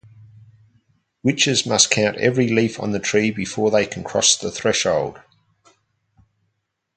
Witches must count every leaf on the tree before they can cross the threshold.